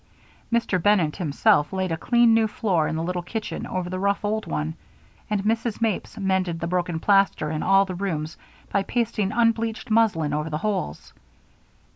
Dr. Bennett himself laid a clean new floor in the little kitchen over the rough old one, and Mrs. Mapes mended the broken plaster in all the rooms by pasting unbleached muslin over the holes.